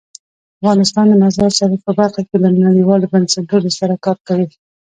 افغانستان د مزارشریف په برخه کې له نړیوالو بنسټونو سره کار کوي.